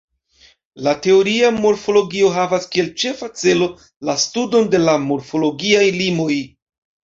La teoria morfologio havas kiel ĉefa celo la studon de la morfologiaj limoj.